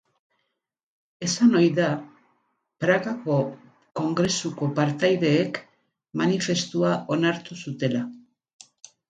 Esan ohi da Pragako kongresuko partaideek manifestua onartu zutela.